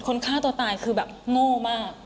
ฆ่าตัวตายคือแบบโง่มาก